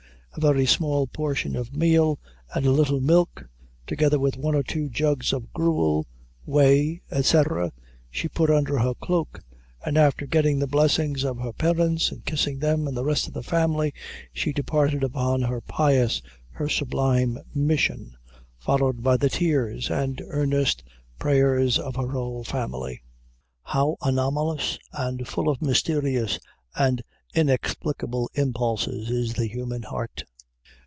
A very small portion of meal, and a little milk, together with one or two jugs of gruel, whey, &c, she put under her cloak; and after getting the blessings of her parents, and kissing them and the rest of the family, she departed upon her pious her sublime mission, followed by the tears and earnest prayers of her whole family. How anomalous, and full of mysterious and inexplicable impulses is the human heart!